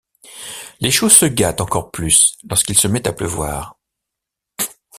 Les choses se gâtent encore plus lorsqu'il se met à pleuvoir.